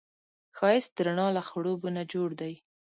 ښایست د رڼا له خړوبو نه جوړ دی